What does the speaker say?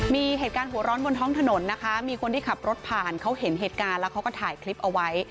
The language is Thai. มีเหตุการณ์หัวร้อนบนท้องถนนนะคะมีคนที่ขับรถผ่านเขาเห็นเหตุการณ์แล้วเขาก็ถ่ายคลิปเอาไว้